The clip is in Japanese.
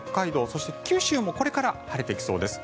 そして、九州もこれから晴れてきそうです。